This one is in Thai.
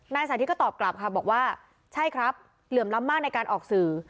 สาธิตก็ตอบกลับค่ะบอกว่าใช่ครับเหลื่อมล้ำมากในการออกสื่อ